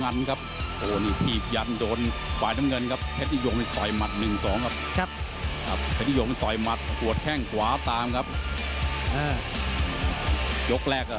ยกแรกละครับแพทย์ตัดแพทย์